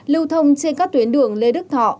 lưu thông trên các tuyến đường lê đức thọ